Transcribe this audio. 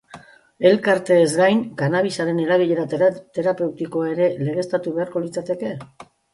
Elkarteez gain, kannabisaren erabilera terapeutikoa ere legeztatu beharko litzateke?